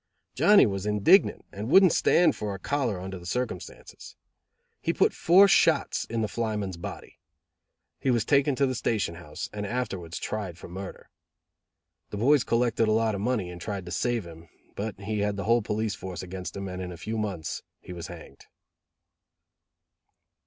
Johnny was indignant, and wouldn't stand for a collar under the circumstances. He put four shots into the flyman's body. He was taken to the station house, and afterwards tried for murder. The boys collected a lot of money and tried to save him, but he had the whole police force against him and in a few months he was hanged.